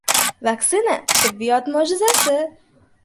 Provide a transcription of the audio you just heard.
Vaksina tibbiyot mo'jizasi!